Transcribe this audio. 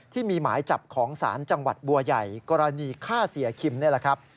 ที่มีหมายจับของศาลจังหวัดบัวใหญ่กรณีฆ่าเสียคิมนี่แหละครับ